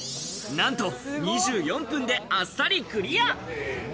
なんと２４分であっさりクリア。